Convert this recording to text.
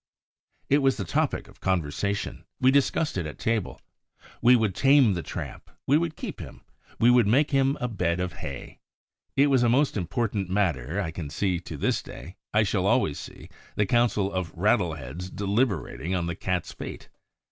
It was the great topic of conversation. We discussed it at table: we would tame the tramp, we would keep him, we would make him a bed of hay. It was a most important matter: I can see to this day, I shall always see, the council of rattleheads deliberating on the Cat's fate.